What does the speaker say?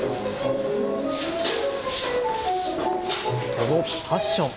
そのパッション。